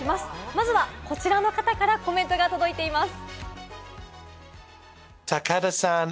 まずはこちらの方からコメントが届いています。